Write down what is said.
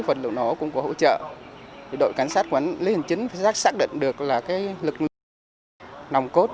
vật liệu nổ công cụ hỗ trợ đội cảnh sát quản lý hình chính phải xác định được lực lượng nồng cốt